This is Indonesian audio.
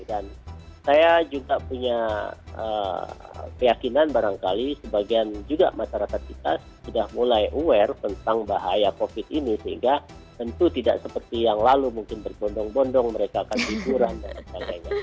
dan saya juga punya keyakinan barangkali sebagian juga masyarakat kita sudah mulai aware tentang bahaya covid ini sehingga tentu tidak seperti yang lalu mungkin berbondong bondong mereka akan tiduran dan sebagainya